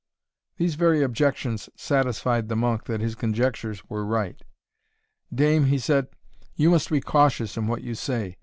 These very objections satisfied the monk that his conjectures were right. "Dame," he said, "you must be cautious in what you say.